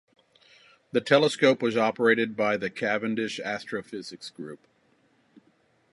The telescope was operated by the Cavendish Astrophysics Group.